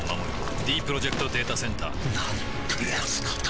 ディープロジェクト・データセンターなんてやつなんだ